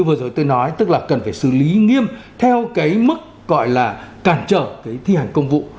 vừa rồi tôi nói tức là cần phải xử lý nghiêm theo cái mức gọi là cản trở cái thi hành công vụ